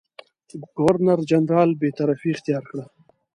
ګورنرجنرال بېطرفي اختیار کړه.